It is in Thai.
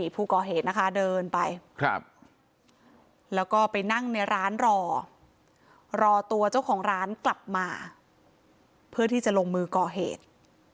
ผู้ก่อเหตุนะคะเดินไปแล้วก็ไปนั่งในร้านรอรอตัวเจ้าของร้านกลับมาเพื่อที่จะลงมือก่อเหตุ